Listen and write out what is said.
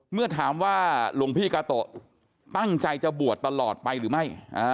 เมื่อถามว่าหลวงพี่กาโตะตั้งใจจะบวชตลอดไปหรือไม่